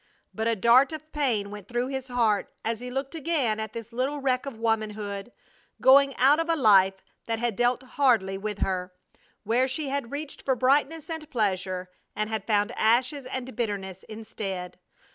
But a dart of pain went through his heart as he looked again at this little wreck of womanhood, going out of a life that had dealt hardly with her; where she had reached for brightness and pleasure, and had found ashes and bitterness instead.